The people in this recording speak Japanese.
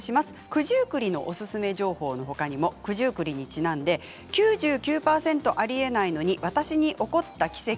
九十九里のおすすめ情報のほかに九十九里にちなんで９９％ありえないのに私に起こった奇跡